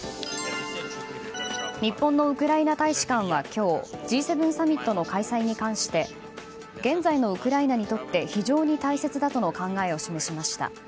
日本のウクライナ大使館は今日Ｇ７サミットの開催に関して現在のウクライナにとって非常に大切だとの考えを示しました。